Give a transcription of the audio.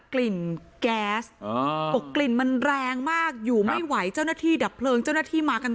กลิ่นแก๊สบอกกลิ่นมันแรงมากอยู่ไม่ไหวเจ้าหน้าที่ดับเพลิงเจ้าหน้าที่มากัน